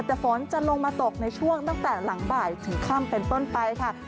แต่ฝนจะลงมาตกในช่วงตั้งแต่หลังบ่ายถึงค่ำเป็นต้นไปค่ะ